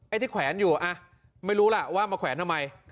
ที่แขวนอยู่ไม่รู้ล่ะว่ามาแขวนทำไม